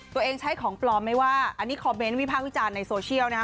ตัวเองใช้ของปลอมไม่ว่าอันนี้คอมเมนต์วิพากษ์วิจารณ์ในโซเชียลนะฮะ